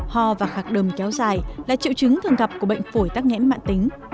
ho và khạc đơm kéo dài là triệu chứng thường gặp của bệnh phổi tắc nghẽn mạng tính